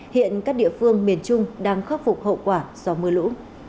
hiện các địa phương miền trung đang khắc phục hậu quả do mưa lũ